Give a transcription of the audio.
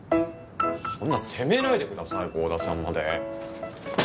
そんな責めないでください郷田さんまで。